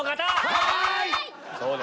はい！